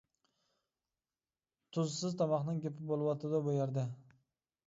تۇزسىز تاماقنىڭ گېپى بولۇۋاتىدۇ بۇ يەردە.